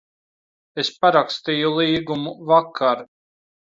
Es parakstīju līgumu vakar.